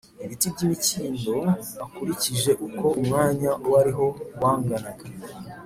ibiti by imikindo akurikije uko umwanya wariho wanganaga